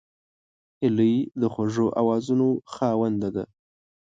هیلۍ د خوږو آوازونو خاوند ده